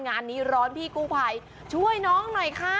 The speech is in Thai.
งานนี้ร้อนพี่กู้ภัยช่วยน้องหน่อยค่ะ